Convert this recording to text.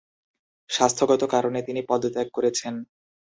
স্বাস্থ্যগত কারণে তিনি পদত্যাগ করেছেন।